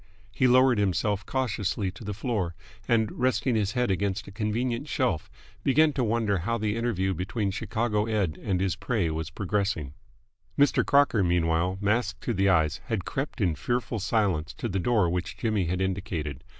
He lowered himself cautiously to the floor, and, resting his head against a convenient shelf, began to wonder how the interview between Chicago Ed. and his prey was progressing. Mr. Crocker, meanwhile, masked to the eyes, had crept in fearful silence to the door which Jimmy had indicated.